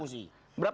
poin saya adalah